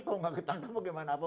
kalau tidak ketangkap bagaimana apa